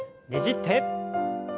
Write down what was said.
ねじって。